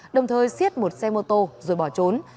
đồng thời xiết một xe mô tô rồi bỏ trốn